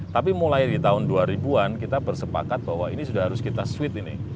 tapi mulai di tahun dua ribu an kita bersepakat bahwa ini sudah harus kita sweet ini